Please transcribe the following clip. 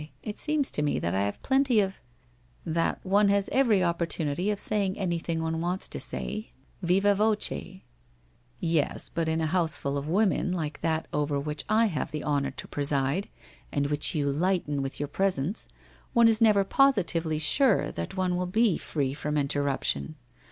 It seems to me that I have plenty of— that one has every opportunity of saying anything one wants to say, viva voce/ ' Yes, but in a houseful of women like that over which I have the honour to preside, and which you lighten with your presence, one is never positively sure that one will be free from interruption.